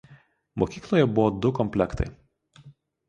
Mokykloje buvo du komplektai.